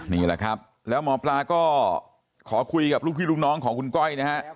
นี่แหละครับแล้วหมอปลาก็ขอคุยกับลูกพี่ลูกน้องของคุณก้อยนะฮะ